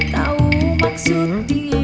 tahu maksud diri